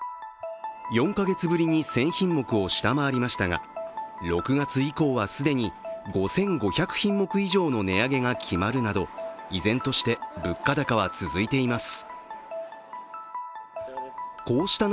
４か月ぶりに１０００品目を下回りましたが６月以降は既に５５００品目以上の値上げが決まるなど依然として物価高は続いています。